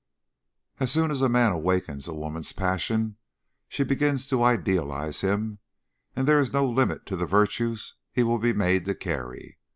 As soon as a man awakens a woman's passions she begins to idealize him and there is no limit to the virtues he will be made to carry.